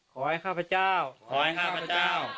ขอให้ข้าพเจ้า